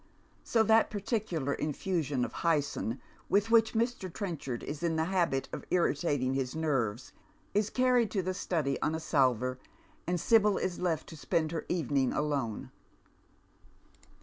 So that particular infusion of hyson with which Mr. Trenchard is in the habit of irritating his nerves is earned to the study on a salver, and Sibyl is left to cpcnd her evening alone.